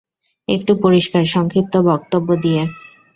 একটু পরিষ্কার, সংক্ষিপ্ত বক্তব্য দিয়ে।